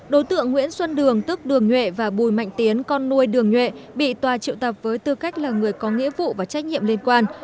đối tượng nguyễn xuân đường tức đường nhuệ và bùi mạnh tiến con nuôi đường nhuệ bị tòa triệu tập với tư cách là người có nghĩa vụ và trách nhiệm liên quan